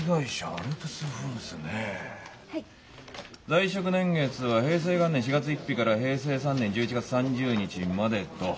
在職年月は平成元年４月１日から平成３年１１月３０日までと。